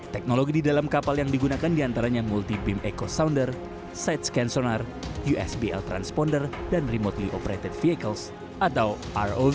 teknologi di dalam kapal yang digunakan diantaranya multi beam echo sounder side scan sonar usbl transponder dan remotely operated vehicles atau rov